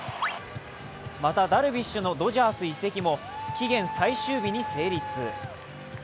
またダルビッシュのドジャース移籍も期限最終日に成立。